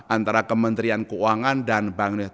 antara kementerian keuangan dan bank indonesia